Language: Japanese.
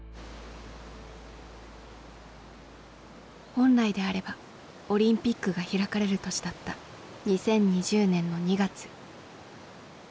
本来であればオリンピックが開かれる年だった２０２０年の２月。